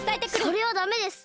それはダメです！